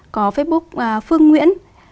có facebook phương nguyễn